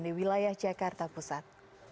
di wilayah jakarta pusat